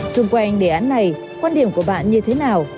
xung quanh đề án này quan điểm của bạn như thế nào